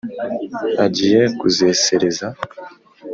Agiye kuzesereza